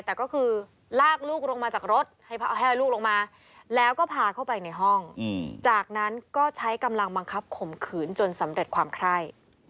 แต่ก็คือลากลูกลงมาจากรถให้ลูกลงมาแล้วก็พาเข้าไปในห้องจากนั้นก็ใช้กำลังบังคับข่มขืนจนสำเร็จความไคร่